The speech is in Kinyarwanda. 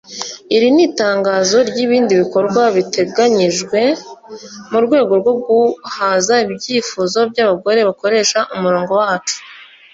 Iri ni itangiriro ry’ibindi bikorwa biteganyijwe mu rwego rwo guhaza ibyifuzo by’abagore bakoresha umurongo wacu